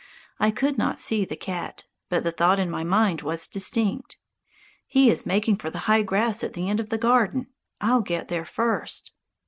I could not see the cat. But the thought in my mind was distinct: "He is making for the high grass at the end of the garden. I'll get there first!"